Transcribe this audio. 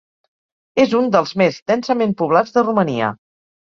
És un dels més densament poblats de Romania.